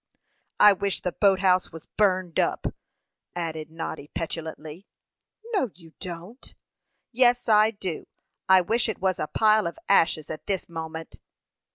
"I wish the boat house was burned up!" added Noddy, petulantly. "No, you don't." "Yes, I do. I wish it was a pile of ashes at this moment."